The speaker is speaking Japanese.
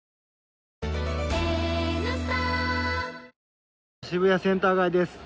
ニトリ渋谷センター街です。